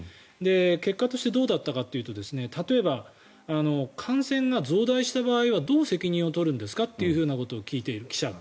結果としてどうだったかというと例えば感染が増大した場合はどう責任を取るんですか？と聞いている、記者が。